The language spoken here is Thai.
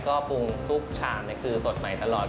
ก็ปรุงทุกชามคือสดใหม่ตลอด